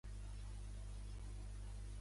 Shalmaneser va morir poc després.